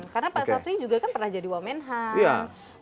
karena pak syafri juga kan pernah jadi wamenhan